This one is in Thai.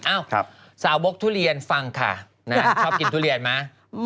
อ้าวสาวบกทุเรียนฟังค่ะนะชอบกินทุเรียนไหม